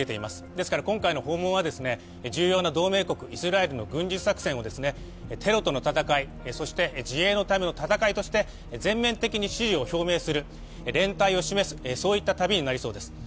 ですから今回の訪問は重要な同盟国・イスラエルの軍事作戦をテロとの戦いそして自衛のための戦いとして全面的に支持を表明する、連帯を示す、そういった旅になりそうです。